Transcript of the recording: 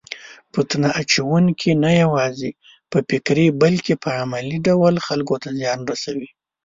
فتنه اچونکي نه یوازې په فکري بلکې په عملي ډول خلکو ته زیان رسوي.